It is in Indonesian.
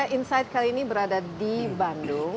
insight kali ini berada di bandung